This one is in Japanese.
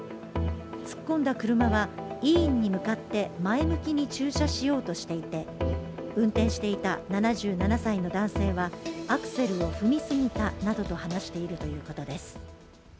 突っ込んだ車は医院に向かって前向きに駐車しようとしていて運転していた７７歳の男性はアクセルを踏みすぎたなどと話しているということです。